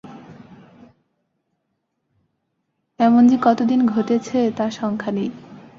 এমন যে কতদিন ঘটেছে তার সংখ্যা নেই।